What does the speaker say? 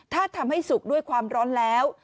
ถ้าทำให้สุกด้วยความร้อนแล้ว